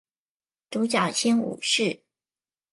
獨角仙武士